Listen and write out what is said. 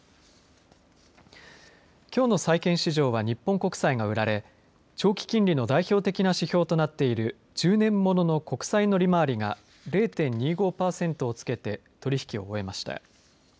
きょうの債券市場は日本国債が売られ長期金利の代表的な指標となっている１０年ものの国債の利回りが０．２５パーセントをつけて取り引きを終えました。